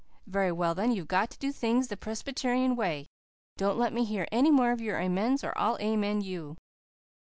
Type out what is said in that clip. "Very well then, you've got to do things the Presbyterian way. Don't let me hear any more of your amens or I'll amen you."